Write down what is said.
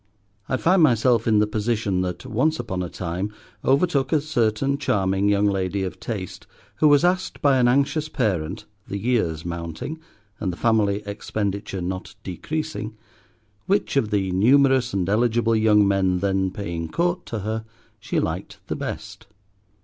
I find myself in the position that, once upon a time, overtook a certain charming young lady of taste who was asked by an anxious parent, the years mounting, and the family expenditure not decreasing, which of the numerous and eligible young men, then paying court to her, she liked the best.